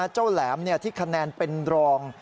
แหลมที่คะแนนเป็นรอง